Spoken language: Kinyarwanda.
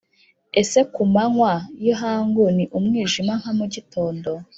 ese ku manywa y'ihangu ni umwijima nka mu gitondo?